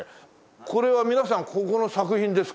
これは皆さんここの作品ですか？